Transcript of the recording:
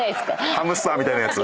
ハムスターみたいなやつ？